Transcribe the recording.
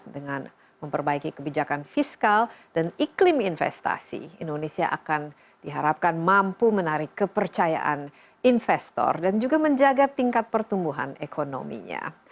dengan memperbaiki kebijakan fiskal dan iklim investasi indonesia akan diharapkan mampu menarik kepercayaan investor dan juga menjaga tingkat pertumbuhan ekonominya